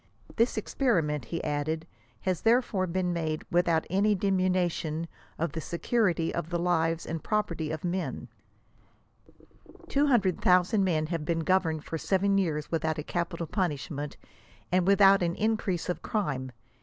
This experi ment," he added, *« has therefore been made without any diminu tion of the security of the lives and property of men. Two hun 9^1 dred thousand men have been governed for seven years without a capital punishment, and without an increase of crime."